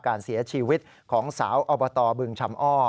การเสียชีวิตของสาวอบตบึงชำอ้อ